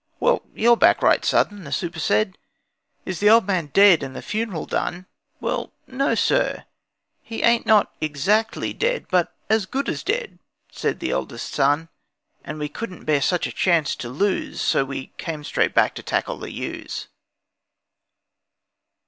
'Well, you're back right sudden,' the super. said; 'Is the old man dead and the funeral done?' 'Well, no, sir, he ain't not exactly dead, But as good as dead,' said the eldest son 'And we couldn't bear such a chance to lose, So we came straight back to tackle the ewes.'